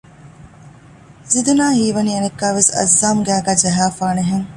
ޒިދުނާ ހީވަނީ އަނެއްކާވެސް އައްޒާމް ގައިގައި ޖަހައިފާނެހެން